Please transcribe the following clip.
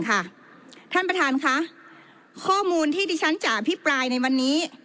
ท่านประธานค่ะข้อมูลที่ดิฉันจะอภิปรายในวันนี้